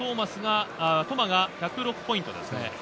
トマは１０６ポイントです。